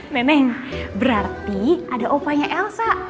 neneng berarti ada upaya elsa